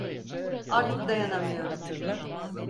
Artık dayanamıyorum.